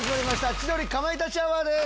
『千鳥かまいたちアワー』です。